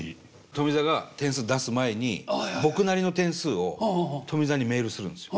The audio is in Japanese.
富澤が点数出す前に僕なりの点数を富澤にメールするんですよ。